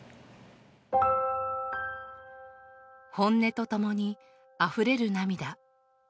本音とともにあふれる涙。